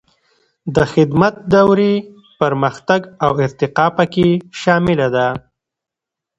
د خدمت دورې پرمختګ او ارتقا پکې شامله ده.